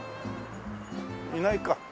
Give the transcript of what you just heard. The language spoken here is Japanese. いないか。